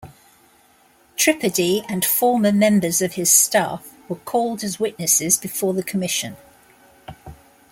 Tripodi and former members of his staff were called as witnesses before the Commission.